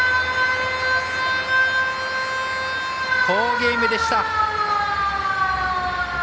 好ゲームでした。